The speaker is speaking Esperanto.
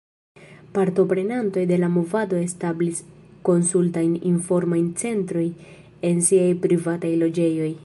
Partoprenantoj de la movado establis konsultajn-informajn centrojn en siaj privataj loĝejoj.